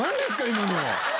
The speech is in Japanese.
今の。